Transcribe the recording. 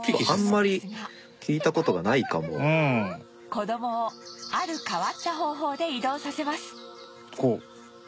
子どもをある変わった方法で移動させます